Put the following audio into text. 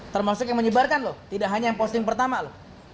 termasuk yang menyebarkan loh tidak hanya yang posting pertama loh